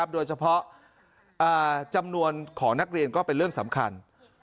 โดยเฉพาะจำนวนของนักเรียนก็เป็นเรื่องสำคัญ